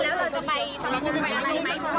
ว่าศาลอาจจะยกฟ้อง